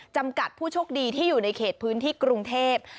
จำกัดผู้โชคดีที่อยู่ในเขตพื้นที่กรุงเทพ